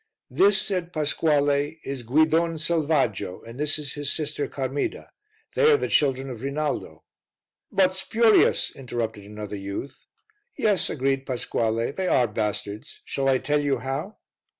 "This," said Pasquale, "is Guidon Selvaggio, and this is his sister Carmida. They are the children of Rinaldo." "But spurious," interrupted another youth. "Yes," agreed Pasquale; "they are bastards. Shall I tell you how?"